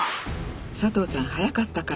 佐藤さん速かったから。